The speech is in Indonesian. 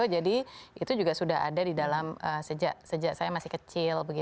jadi itu juga sudah ada di dalam sejak saya masih kecil